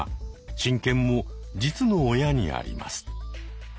親権も実の親にあります。